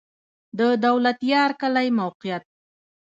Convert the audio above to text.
د دولتيار کلی موقعیت